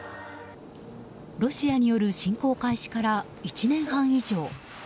ロシアによる侵攻開始から１年半以上。